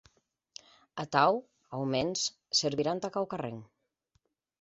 Atau, aumens, servirà entà quauquarren.